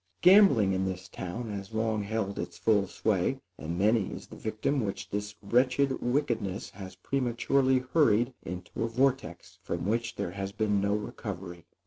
Gambling, in this town, has long held its full sway, and many is the victim which this wretched wickedness has prematurely hurried into a vortex, from which there has been no recovery.